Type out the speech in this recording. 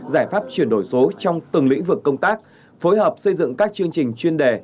giải pháp chuyển đổi số trong từng lĩnh vực công tác phối hợp xây dựng các chương trình chuyên đề